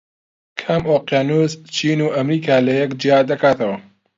کام ئۆقیانوس چین و ئەمریکا لەیەک جیا دەکاتەوە؟